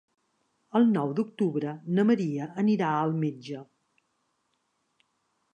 El nou d'octubre na Maria anirà al metge.